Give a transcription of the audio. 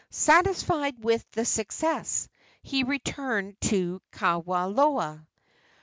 Satisfied with the success, he returned to Kaawaloa.